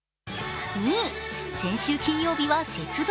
先週金曜日は節分。